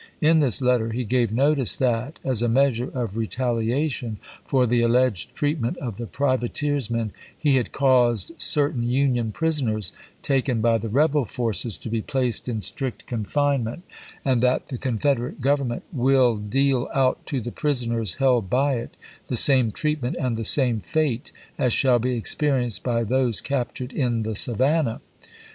In this letter he gave notice that, as a measure of retaliation for the alleged treatment of the privateersmen, he had caused cer tain Union prisoners taken by the rebel forces to be placed in strict confinement, and that the Confed erate Government " will deal out to the prisoners held by it the same treatment and the same fate Lincoln? as shall be experienced by those captured in the M8. ■ Savannah.''